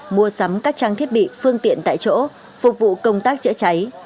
mua sắm các trang thiết bị phương tiện tại chỗ phục vụ công tác chữa cháy